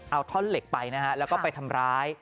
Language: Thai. เอาท่อนเหล็กไปนะฮะแล้วก็ไปทำร้าย